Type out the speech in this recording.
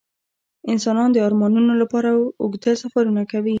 انسانان د ارمانونو لپاره اوږده سفرونه کوي.